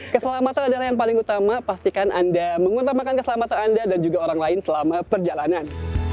keselamatan adalah yang paling utama pastikan anda mengutamakan keselamatan anda dan juga orang lain selama perjalanan